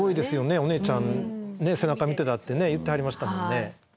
お姉ちゃんの背中見てなんて言ってはりましたもんね。